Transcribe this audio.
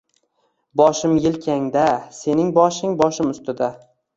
Boshim yelkangda sening boshing boshim ustida…